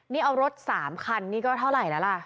นี่เอารถ๓คันนี่ก็เท่าไหร่แล้วล่ะ